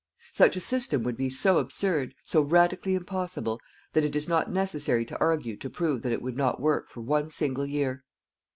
Such a system would be so absurd, so radically impossible, that it is not necessary to argue to prove that it would not work for one single year.